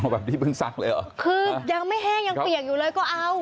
แบบนี้เพิ่งซักเลยเหรอคือยังไม่แห้งยังเปียกอยู่เลยก็เอา